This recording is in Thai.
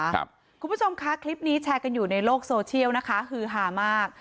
คุณผู้ชมคะคลิปนี้แชร์กันอยู่ในโลกโซเชียลนะคะฮือหามาก